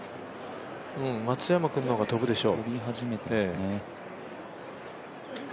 松山君の方が飛ぶでしょう。